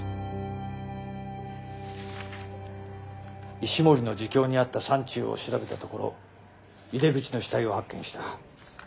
石森の自供にあった山中を調べたところ井出口の死体を発見した。